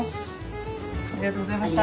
ありがとうございます。